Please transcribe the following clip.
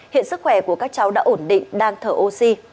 hiện sức khỏe của các cháu đã ổn định đang thở oxy